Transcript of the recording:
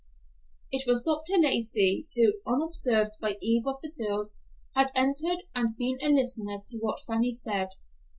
It was Dr. Lacey, who, unobserved by either of the girls, had entered and been a listener to what Fanny said.